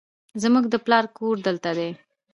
زموږ د پلار کور دلته دی